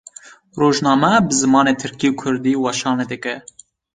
Rojname bi zimanê Tirkî û Kurdî weşanê dike.